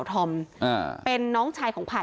อยู่ดีมาตายแบบเปลือยคาห้องน้ำได้ยังไง